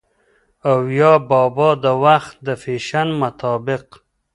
او يا بابا د وخت د فېشن مطابق